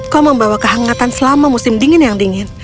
kau membawa kehangatan selama musim dingin yang dingin